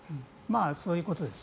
そういうことです。